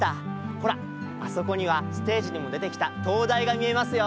ほらあそこにはステージにもでてきた灯台がみえますよ！